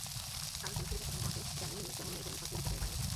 কারণ সুযোগ-সুবিধার সুষম বণ্টন যেমন নেই, তেমনি সরকারি বিজ্ঞাপনের বাজারও ছোট।